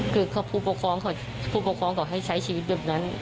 คือผู้ปกครองเขาให้ใช้ชีวิตเดี๋ยวนั้น